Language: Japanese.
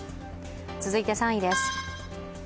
続いて３位です。